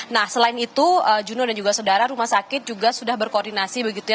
nah selain itu juno dan juga saudara rumah sakit juga sudah berkoordinasi begitu ya